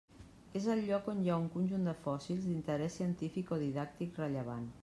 És el lloc on hi ha un conjunt de fòssils d'interés científic o didàctic rellevant.